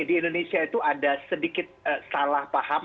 di indonesia itu ada sedikit salah paham